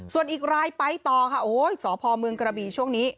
ส่วนอีกรายไปต่อค่ะโอ้ยสพเมืองกระบีช่วงนี้